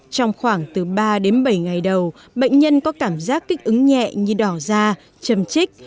trong khoảng từ ba đến bảy ngày đầu bệnh nhân có cảm giác kích ứng nhẹ như đỏ da chầm chích